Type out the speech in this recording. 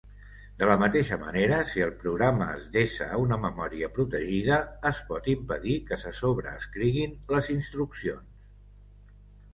De la mateixa manera, si el programa es desa a una memòria protegida, es pot impedir que se sobreescriguin les instruccions.